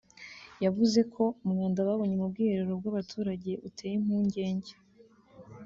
yavuze ko umwanda babonye mu bwiherero bw’abaturage uteye impungenge